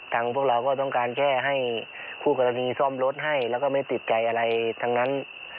พวกเราก็ต้องการแค่ให้คู่กรณีซ่อมรถให้แล้วก็ไม่ติดใจอะไรทั้งนั้น